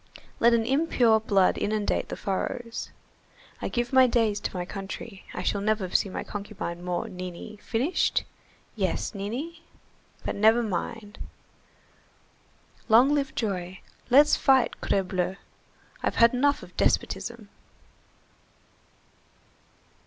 Let an impure blood inundate the furrows! I give my days to my country, I shall never see my concubine more, Nini, finished, yes, Nini? But never mind! Long live joy! Let's fight, crebleu! I've had enough of despotism."